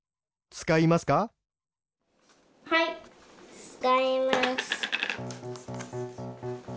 つかいます。